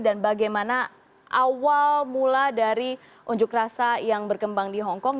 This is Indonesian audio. dan bagaimana awal mula dari unjuk rasa yang berkembang di hongkong